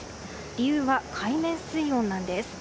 理由は海面水温なんです。